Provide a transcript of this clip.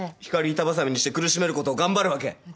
ひかり板挟みにして苦しめることを頑張るわけ？